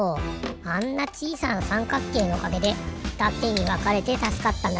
あんなちいさなさんかっけいのおかげでふたてにわかれてたすかったんだね。